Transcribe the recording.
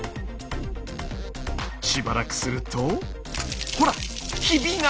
しばらくするとほらヒビが！